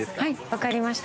分かりました。